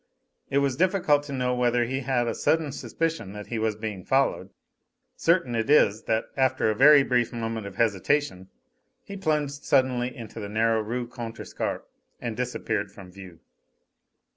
It was difficult to know whether he had a sudden suspicion that he was being followed; certain it is that, after a very brief moment of hesitation, he plunged suddenly into the narrow Rue Contrescarpe and disappeared from view.